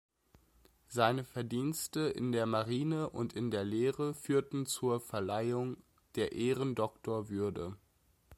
Seine Verdienste in der Marine und in der Lehre führten zur Verleihung der Ehrendoktorwürde.